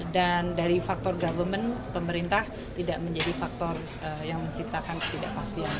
dan dari faktor government pemerintah tidak menjadi faktor yang menciptakan ketidakpastian